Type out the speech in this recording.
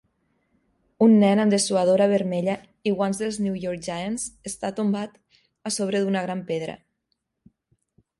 Un nen amb dessuadora vermella i guants dels New York Giants està tombat a sobre d'una gran pedra.